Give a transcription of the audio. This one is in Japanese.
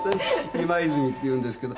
「今泉」っていうんですけど。